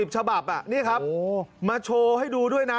ฉบับนี่ครับมาโชว์ให้ดูด้วยนะ